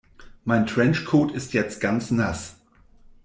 Mein Trenchcoat ist jetzt ganz nass.